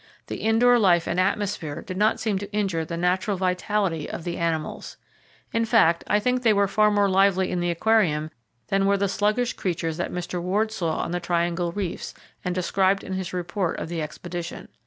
The indoor life and atmosphere did not seem to injure the natural vitality of the animals. In fact, I think they were far more lively in the Aquarium than were the sluggish creatures that Mr. Ward saw on the Triangle reefs, and described in his report of the expedition.